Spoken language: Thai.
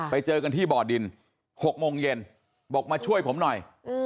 ไปเจอกันที่บ่อดิน๖โมงเย็นบอกมาช่วยผมหน่อย